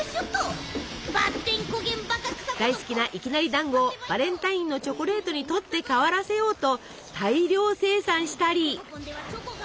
大好きないきなりだんごをバレンタインのチョコレートに取って代わらせようと大量生産したり。